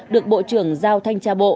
được bộ trưởng giao thanh tra bộ